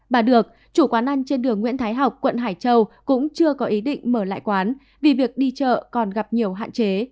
bà được chủ quán ăn trên đường nguyễn thái học quận hải châu cũng chưa có ý định mở lại quán vì việc đi chợ còn gặp nhiều hạn chế